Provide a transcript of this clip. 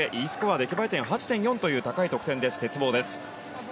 出来栄え点８．４という高い得点です。